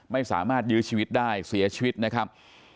ไม่สามารถยื้อชีวิตได้เสียชีวิตนะครับ